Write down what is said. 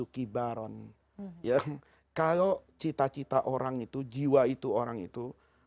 kalau cita cita orang itu jiwa itu orang itu